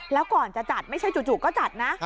แล้วก่อนจะจัดไม่ใช่จู่ก็จัดนะ